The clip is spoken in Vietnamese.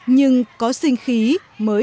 nhưng có sinh khí mới chỉ thu hút được